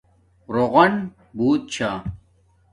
رُوغن بوت چھا